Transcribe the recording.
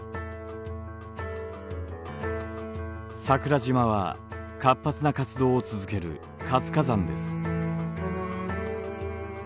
桜島は活発な活動を続ける活火山です。